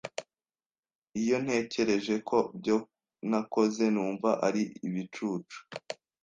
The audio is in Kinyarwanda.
Iyo ntekereje ku byo nakoze, numva ari ibicucu.